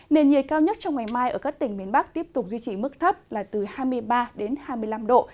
nền nhiệt cao nhất trong ngày mai ở các tỉnh miền bắc tiếp tục duy trì mức thấp là từ hai mươi ba đến hai mươi năm độ